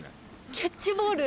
キャッチボール？